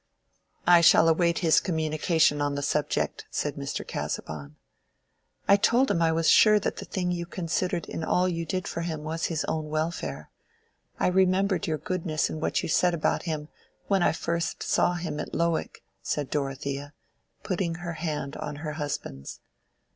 "I shall await his communication on the subject," said Mr. Casaubon. "I told him I was sure that the thing you considered in all you did for him was his own welfare. I remembered your goodness in what you said about him when I first saw him at Lowick," said Dorothea, putting her hand on her husband's.